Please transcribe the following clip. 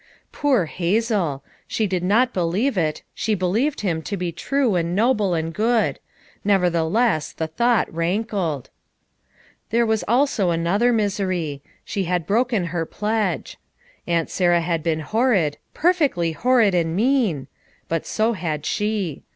Poor Hazel! she did not believe it, she be lieved him to be true and noble and good; nevertheless the thought rankled. There was also another misery; she had broken her pledge. Aunt Sarah had been horrid, "perfectly horrid and nieanl" but so had she.